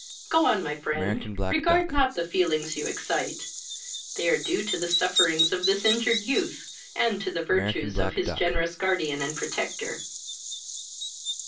Go on, my friend, regard not the feelings you excite; they are due to the sufferings of this injured youth, and to the virtues of his generous guardian and protector."